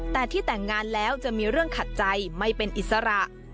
แต่ที่แต่งงานแล้วจะมีเรื่องขัดใจไม่เป็นอิสระ